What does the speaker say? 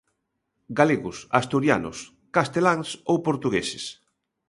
Galegos, asturianos, casteláns ou portugueses.